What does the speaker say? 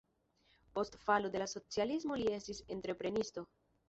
Post falo de la socialismo li estis entreprenisto.